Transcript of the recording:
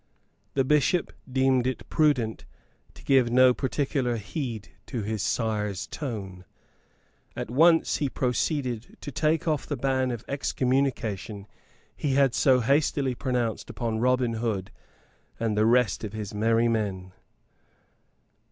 The Bishop deemed it prudent to give no particular heed to his sire's tone. At once he proceeded to take off the ban of excommunication he had so hastily pronounced upon Robin Hood and the rest of his merry men.